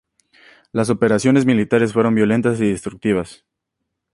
Las operaciones militares fueron violentas y destructivas.